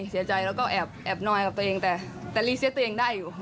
เสียใจแล้วก็แอบนอนกับตัวเองแต่รีเซตตัวเองได้อยู่